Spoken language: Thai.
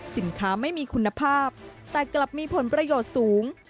สินค้าไม่มีคุณภาพแต่กลับมีผลประโยชน์สูง